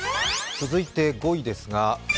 続いて５位です。